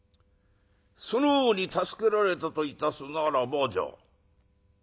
その方に助けられたといたすならばじゃ